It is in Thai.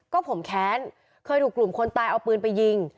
ก็ผมแค้นเคยถูกกลุ่มคนตายเอาปืนไปยิง